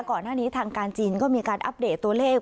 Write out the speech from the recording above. ก่อนหน้านี้ทางการจีนก็มีการอัปเดตตัวเลข